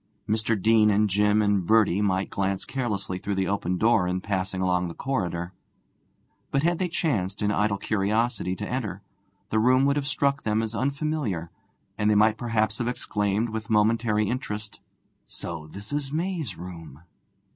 Mr. Deane and Jim and Bertie might glance carelessly through the open door in passing along the corridor, but had they chanced in idle curiosity to enter, the room would have struck them as unfamiliar, and they might perhaps have exclaimed with momentary interest, 'So this is May's room!'